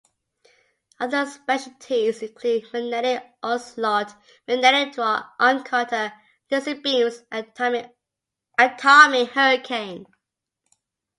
Other specialties include magnetic onslaught, magnetic draw, arm cutter, laser beams, atomic hurricane.